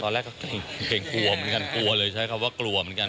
ตอนแรกเขาเก่งกลัวเหมือนกันเกลียดเลยใช่ไหมครับว่ากลัวเหมือนกัน